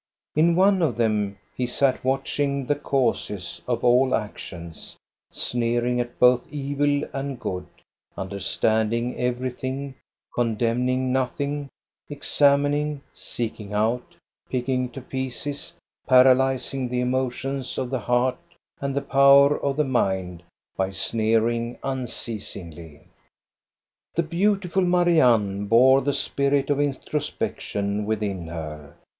In one of them he sat, watching the causes of all actions, sneering at both evil and good, understand ing everything, condemning nothing, examining, seek ing out, picking to pieces, paralyzing the emotions of the heart and the power of the mind by sneering unceasingly. The beautiful Marianne bore the spirit of intro spection within her.